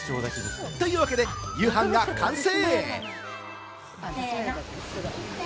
というわけで夕飯が完成。